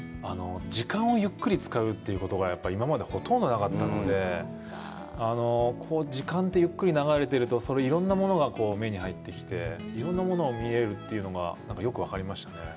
時間をゆっくり使うということが、今までほとんどなかったので、時間がゆっくり流れていると、いろんなものが目に入ってきて、いろんなものが見えるというのがよく分かりましたね。